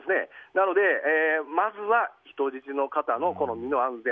なので、まずは人質の方の身の安全